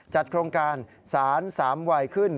จัดโครงการสารสามวัยขึ้น